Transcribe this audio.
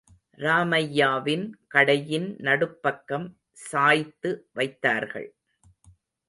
ராமையாவின் கடையின் நடுப்பக்கம் சாய்த்து வைத்தார்கள்.